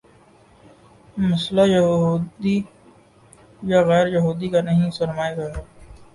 مسئلہ یہودی یا غیر یہودی کا نہیں، سرمائے کا ہے۔